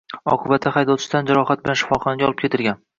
Oqibatda haydovchi tan jarohati bilan shifoxonaga olib ketilgan